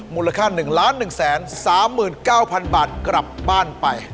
มูลค่า๑๑๓๙๐๐บาทกลับบ้านไป